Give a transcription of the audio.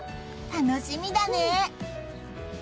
楽しみだね！